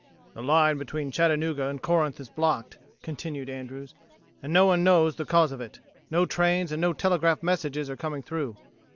"The line between Chattanooga and Corinth is blocked," continued Andrews, "and no one knows the cause of it. No trains and no telegraph messages are coming through.